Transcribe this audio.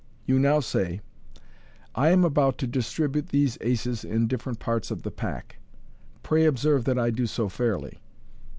You now say, " I am about to distribute these aces in different parts of the pack ; pray observe that I do so fairly.